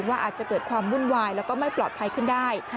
อาจจะเกิดความวุ่นวายแล้วก็ไม่ปลอดภัยขึ้นได้